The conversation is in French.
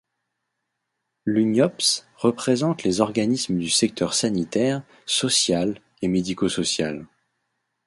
L’Uniopss représente les organismes du secteur sanitaire, social et médico-social.